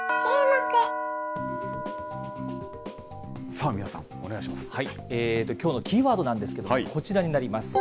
さあ三輪さん、きょうのキーワードなんですけども、こちらになります。